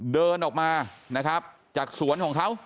เดินออกมานะครับจากสวนของเขา